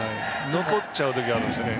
残っちゃう時があるんですよね。